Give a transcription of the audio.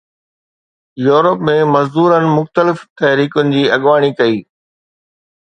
Europe ۾ مزدورن مختلف تحريڪن جي اڳواڻي ڪئي